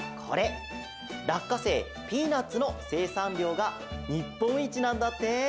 らっかせいピーナツのせいさんりょうがにっぽんいちなんだって！